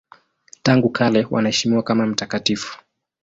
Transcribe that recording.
Tangu kale wanaheshimiwa kama mtakatifu.